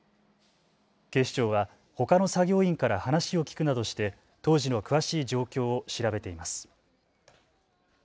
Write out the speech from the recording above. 警視庁はほかの作業員から話を聞くなどして当時の詳しい状況を調べています。